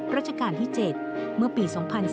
ราชการที่๗เมื่อปี๒๔